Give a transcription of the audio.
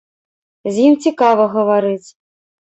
З ім цікава гаварыць.